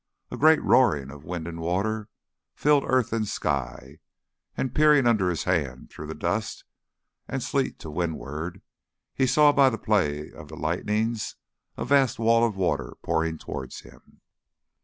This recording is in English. A great roaring of wind and waters filled earth and sky, and, peering under his hand through the dust and sleet to windward, he saw by the play of the lightnings a vast wall of water pouring towards him.